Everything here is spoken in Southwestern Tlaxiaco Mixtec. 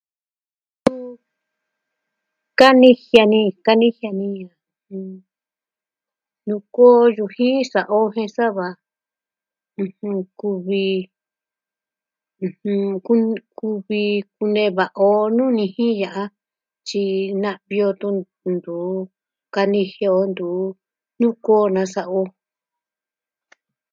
Suu, kanijia ni, kanijia ni, nuku o yujin sa'a o jen sava. Kuvi, ku, kunee va'a o nuu nijin ya'a. Tyi na'vi o tun ntuvi kanjia o ntuu nuu koo nasa'a o.